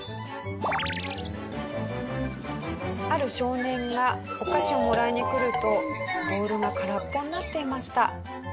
ある少年がお菓子をもらいに来るとボウルが空っぽになっていました。